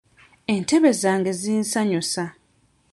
Entebe zange zinsanyusa.